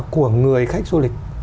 của người khách du lịch